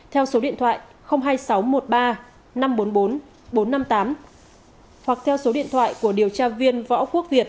theo số điện thoại hai nghìn sáu trăm một mươi ba năm trăm bốn mươi bốn bốn trăm năm mươi tám hoặc theo số điện thoại của điều tra viên võ quốc việt chín mươi bảy chín trăm linh bốn